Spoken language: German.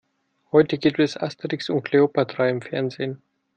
Heute gibt es "Asterix und Kleopatra" im Fernsehen.